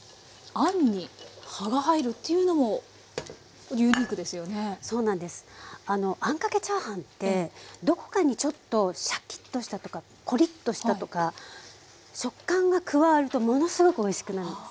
あのあんかけチャーハンってどこかにちょっとシャキッとしたとかコリッとしたとか食感が加わるとものすごくおいしくなるんです。